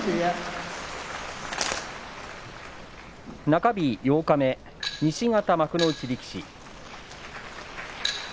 中日、八日目西方幕内力士。